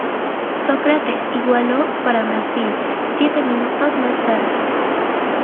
Sócrates igualó para Brasil siete minutos más tarde.